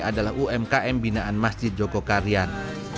adalah umkm binaan masjid joko karyan